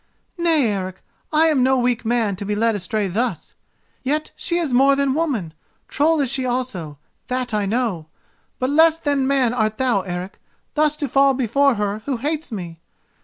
"Nay, Eric, I am no weak man to be led astray thus. Yet she is more than woman—troll is she also, that I know; but less than man art thou, Eric, thus to fall before her who hates me.